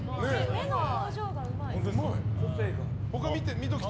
目の表情がうまい。